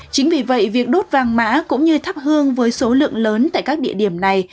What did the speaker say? chính vì vậy việc đốt vàng mã cũng như thắp hương với số lượng lớn tại các địa điểm này